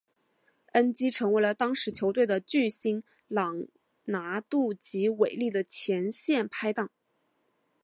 基恩成为了当时球队的巨星朗拿度及韦利的前线拍挡。